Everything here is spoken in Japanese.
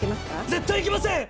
絶対行きません！